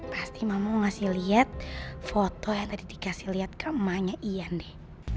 pasti mama mau ngasih liat foto yang tadi dikasih liat ke emaknya ian deh